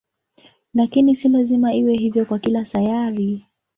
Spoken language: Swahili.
Lakini si lazima iwe hivyo kwa kila sayari.